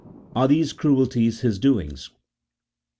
Are these cruelties His doings